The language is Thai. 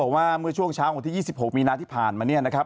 ว่าเมื่อช่วงเช้าวันที่๒๖มีนาที่ผ่านมาเนี่ยนะครับ